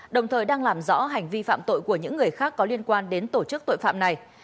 đồng thời đang làm rõ hành vi phạm tội của những người khác có liên quan đến tổ chức tội phạm này